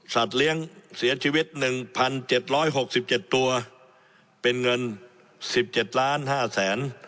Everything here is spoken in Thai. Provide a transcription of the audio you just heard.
สัตว์เลี้ยงเสียชีวิตหนึ่งพันเจ็ดร้อยหกสิบเจ็ดตัวเป็นเงินสิบเจ็ดล้านห้าแสน